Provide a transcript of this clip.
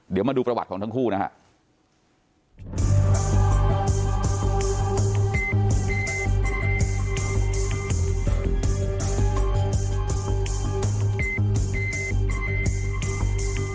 เดี๋ยวมาดูประวัติของทั้งคู่นะครับ